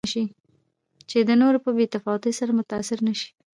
چې د نورو په بې تفاوتۍ سره متأثره نه شي.